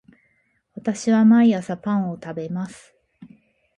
私は毎朝パンを食べます